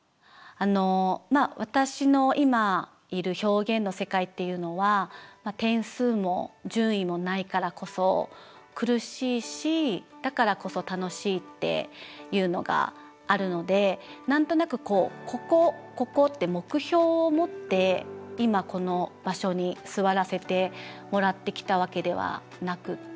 私の今いる表現の世界っていうのは点数も順位もないからこそ苦しいしだからこそ楽しいっていうのがあるので何となくこうここここって目標を持って今この場所に座らせてもらってきたわけではなくて。